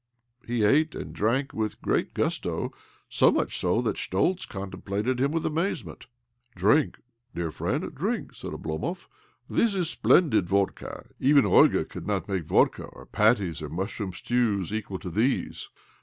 He ate and drank with great gusto — so 24б OBLOMOV much so that Schtoltz contemplated him with amazement. " Drink, dear friend, drink," said Oblo mov. " This is splendid vodka. Even Olga could not make vodka or patties or mush room stews equal to these.